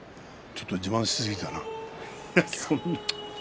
さっきはちょっと自慢しすぎたな。